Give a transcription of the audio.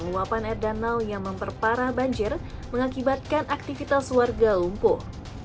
luapan air danau yang memperparah banjir mengakibatkan aktivitas warga lumpuh